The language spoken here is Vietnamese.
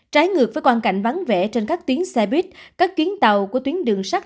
trái ngược với quan cảnh vắng vẻ trên các tuyến xe buýt các kiến tàu của tuyến đường sắt